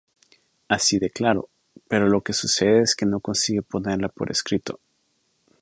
Así de claro, pero lo que sucede es que no consigue ponerla por escrito.